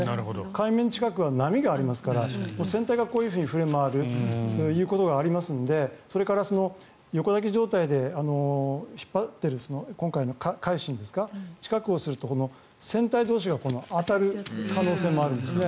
海面近くは波がありますから船体が振れ回るということがありますのでそれから横の状態で引っ張っている「海進」は近くにすると船体同士が当たる可能性があるんです。